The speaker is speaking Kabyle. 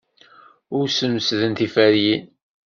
Ur smesden tiferyin.